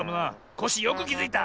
コッシーよくきづいた。